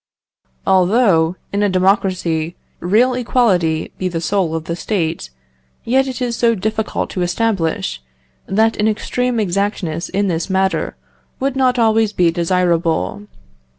"Although, in a democracy, real equality be the soul of the State, yet it is so difficult to establish, that an extreme exactness in this matter would not always be desirable.